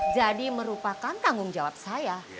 jadi merupakan tanggung jawab saya